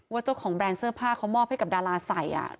เจ้าของแบรนด์เสื้อผ้าเขามอบให้กับดาราใส่